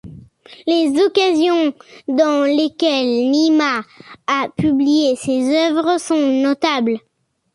Les occasions dans lesquelles Nima a publié ses œuvres sont notables.